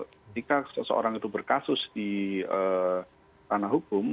ketika seseorang itu berkasus di tanah hukum